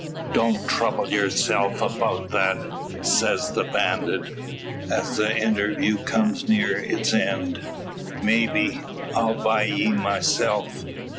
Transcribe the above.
"Don't trouble yerself 'bout that," says the bandit, 'as the interview comes near its end, "maybe, I'll buy ye myself.